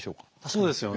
そうですよね。